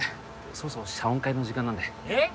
そろそろ謝恩会の時間なんでえっ？